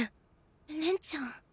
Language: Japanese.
恋ちゃん。